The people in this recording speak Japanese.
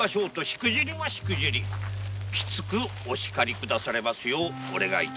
きつくおしかりを下さいますようお願い致します。